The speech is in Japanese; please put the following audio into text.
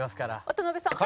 渡辺さん。